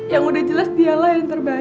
yang udah jelas dialah yang terbaik